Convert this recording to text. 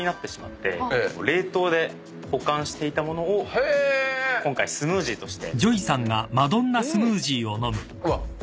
冷凍で保管していた物を今回スムージーとして。